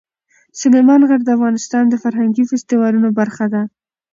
سلیمان غر د افغانستان د فرهنګي فستیوالونو برخه ده.